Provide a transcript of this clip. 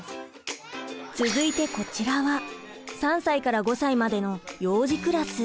続いてこちらは３歳から５歳までの幼児クラス。